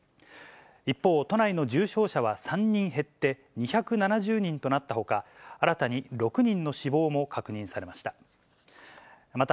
一方、都内の重症者は３人減って２７０人となったほか、新たに６人の死亡も確認されました。